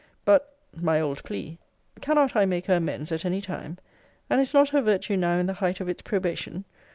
But, (my old plea,) cannot I make her amends at any time? And is not her virtue now in the height of its probation?